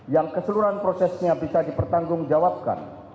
yang keseluruhan prosesnya bisa dipertanggungjawabkan